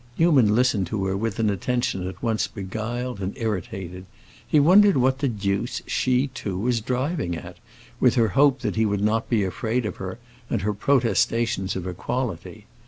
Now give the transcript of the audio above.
Newman listened to her with an attention at once beguiled and irritated. He wondered what the deuce she, too, was driving at, with her hope that he would not be afraid of her and her protestations of equality.